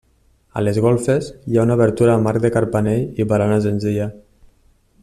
A les golfes hi ha una obertura amb arc de carpanell i barana senzilla.